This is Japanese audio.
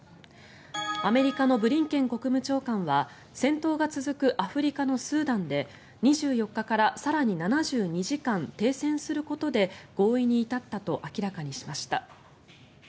アメリカのブリンケン国務長官は戦闘が続くアフリカのスーダンで２４日から更に７２時間停戦することで合意に至ったと明らかにしました。